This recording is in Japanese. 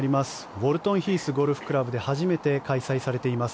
ウォルトンヒースゴルフクラブで初めて開催されています